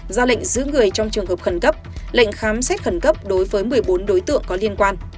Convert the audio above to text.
ra lệnh giữ người trong trường hợp khẩn cấp lệnh khám xét khẩn cấp đối với một mươi bốn đối tượng có liên quan